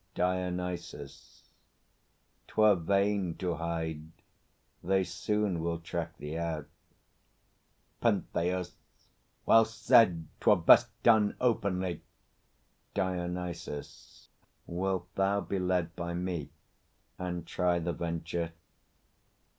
DIONYSUS. 'Twere vain To hide. They soon will track thee out. PENTHEUS. Well said! 'Twere best done openly. DIONYSUS. Wilt thou be led By me, and try the venture?